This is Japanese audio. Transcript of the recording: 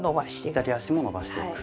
左足も伸ばしていく。